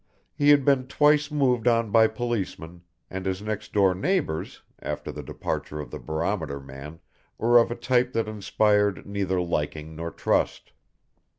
He had been twice moved on by policemen, and his next door neighbours, after the departure of the barometer man, were of a type that inspired neither liking nor trust.